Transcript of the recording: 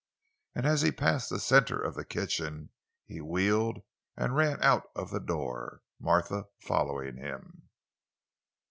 And as he passed the center of the kitchen, he wheeled and ran out of the door, Martha following him.